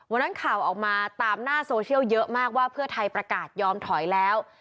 วันนั้นข่าวออกมาตามหน้าโซเชียลเยอะมากว่าเพื่อไทยประกาศยอมถอยแล้ว